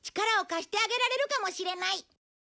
力を貸してあげられるかもしれない。